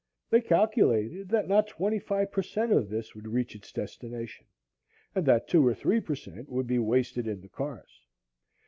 They calculated that not twenty five per cent of this would reach its destination, and that two or three per cent would be wasted in the cars.